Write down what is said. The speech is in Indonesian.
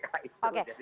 oke pak terubus